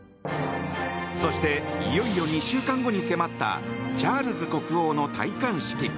そしていよいよ２週間後に迫ったチャールズ国王の戴冠式。